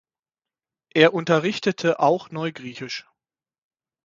Er unterrichtete auch Neugriechisch.